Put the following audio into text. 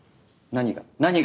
何が？